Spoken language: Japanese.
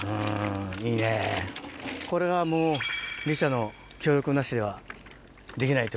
これがもうリチャの協力なしではできないということで。